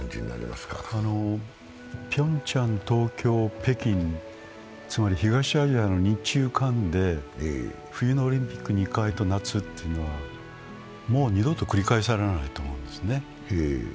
ピョンチャン、東京、北京、つまり東アジアの日中韓で冬のオリンピック２回と夏というのはもう二度と繰り返されないと思うんですね。